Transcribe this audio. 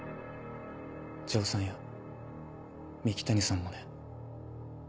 城さんや三鬼谷さんもね。